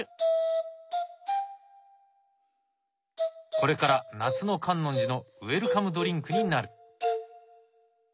これから夏の観音寺のウェルカムドリンクになる。